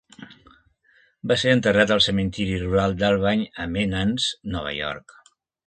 Va ser enterrat al Cementiri Rural d"Albany a Menands, Nova York.